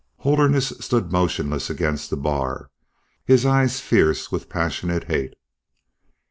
Holderness stood motionless against the bar, his eyes fierce with passionate hate.